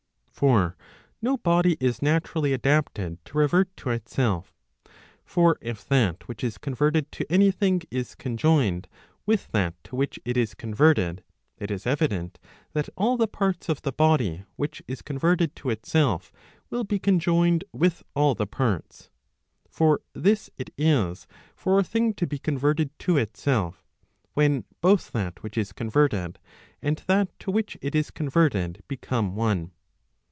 For no body is naturally adapted to revert to itself. For if that which is converted to any thing is conjoined with that to which it is converted, it is evident that all the parts of the body which is converted to itself, will be conjoined with all the parts. For this it is for a thing to be converted to itself, when both that which is converted, and that to which it is converted, become one.